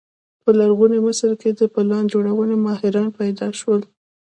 په لرغوني مصر کې د پلان جوړونې ماهران پیدا شول.